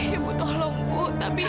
ibu tolong bu tapi